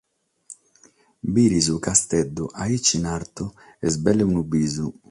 Bìdere su Casteddu aici in artu est belle unu bisu.